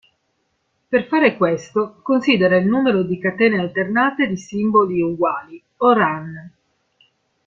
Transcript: Per fare questo considera il numero di catene alternate di simboli uguali, o "run".